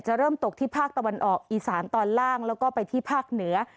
เริ่มตกที่ภาคตะวันออกอีสานตอนล่างแล้วก็ไปที่ภาคเหนือ